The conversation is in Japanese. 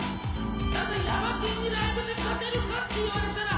「ただヤバＴにライブで勝てるかって言われたら」